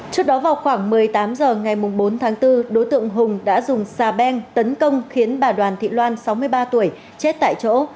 trước đó vào khoảng một mươi tám h ngày bốn tháng bốn đối tượng hùng đã dùng xà beng tấn công khiến bà đoàn thị loan sáu mươi ba tuổi chết tại chỗ